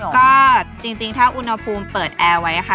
ก็จริงถ้าอุณหภูมิเปิดแอร์ไว้ค่ะ